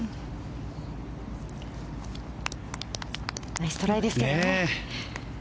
ナイストライですけどね。